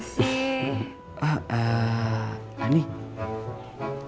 kamu udah makan siapa